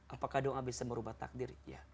apakah doa bisa merubah takdir